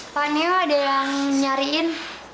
pak neo ada yang nyariin